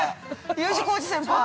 Ｕ字工事先輩。